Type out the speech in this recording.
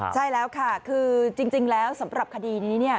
ใช่แล้วค่ะคือจริงแล้วสำหรับคดีนี้เนี่ย